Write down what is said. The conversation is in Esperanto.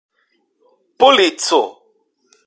polico